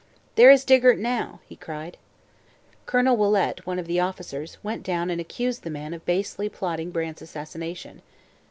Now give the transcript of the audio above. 'There is Dygert now,' he cried. Colonel Willet, one of the officers, went down and accused the man of basely plotting Brant's assassination.